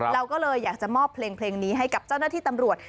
เราก็เลยอยากจะมอบเพลงนี้ให้กับเจ้าหน้าที่ตำรวจ